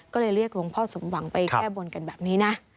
ก็เลยเรียกหลวงพ่อสมหวังไปแก้บนกันแบบนี้นะ